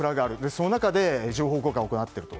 その中で情報交換を行っていると。